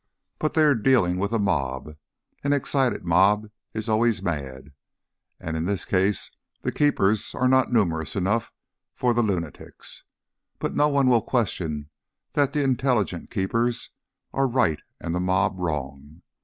But they are dealing with a mob; an excited mob is always mad, and in this case the keepers are not numerous enough for the lunatics. But no one will question that the intelligent keepers are right and the mob wrong.